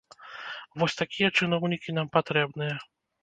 Вось такія чыноўнікі нам патрэбныя!